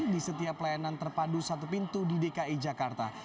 di setiap pelayanan terpadu satu pintu di dki jakarta